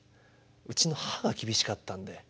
うちの母が厳しかったんで。